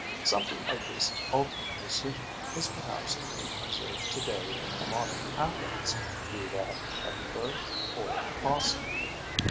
Something of this ultra precision is perhaps to be observed to day in the modern Athens, be that Edinburgh or Boston.